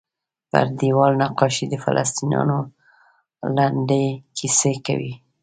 پر دیوال نقاشۍ د فلسطینیانو لنډې کیسې کوي.